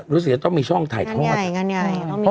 รู้สึกจะต้องมีช่องถ่ายทอด